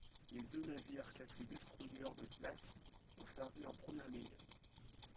Les deux navires classés destroyers de classe ont servi en première ligne.